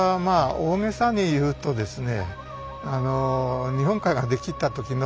大げさに言うとですね。